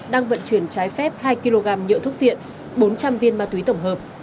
đang vận chuyển trái phép hai kg nhựa thuốc viện bốn trăm linh viên ma túy tổng hợp